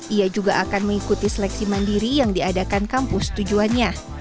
ia juga akan mengikuti seleksi mandiri yang diadakan kampus tujuannya